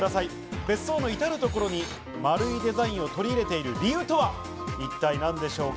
別荘のいたるところに丸いデザインを取り入れている理由とは一体何でしょうか？